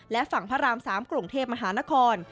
และฝั่งพระราม๓กรุงเทพมหานคร